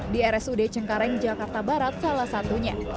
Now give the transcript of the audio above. di rsud cengkareng jakarta barat salah satunya